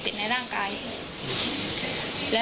พอทีนี้พอได้โทรศัพท์ติดต่อมา